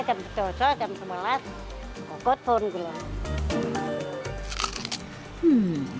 jangan kemalas kokot forn juga